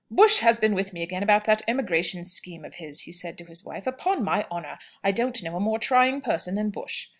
"Bush has been with me again about that emigration scheme of his," he said to his wife. "Upon my honour, I don't know a more trying person than Bush."